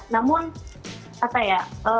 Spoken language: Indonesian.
namun apa ya